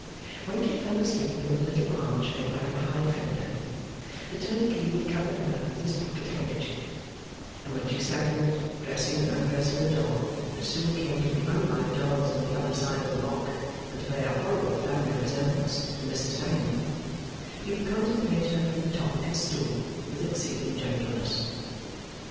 When she fell asleep in the little armchair by the high fender, the turnkey would cover her with his pocket handkerchief; and when she sat in it dressing and undressing a doll which soon came to be unlike dolls on the other side of the lock, and to bear a horrible family resemblance to Mrs Bangham he would contemplate her from the top of his stool with exceeding gentleness.